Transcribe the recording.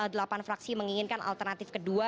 delapan fraksi menginginkan alternatif kedua